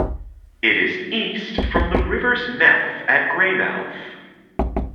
It is east from the river's mouth at Greymouth.